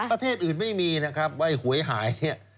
ประเทศอื่นไม่มีนะครับว่าหวยหายเนี่ย